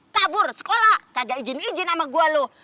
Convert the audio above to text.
kabur sekolah kagak izin izin sama gue loh